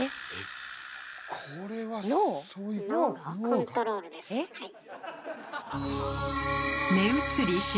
コントロールですはい。